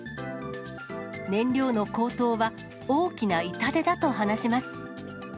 燃料の高騰は大きな痛手だと話します。